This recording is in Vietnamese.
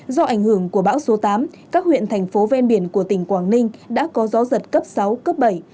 do ảnh hưởng của bão số tám các huyện thành phố ven biển của tỉnh quảng ninh đã có gió giật cấp sáu cấp bảy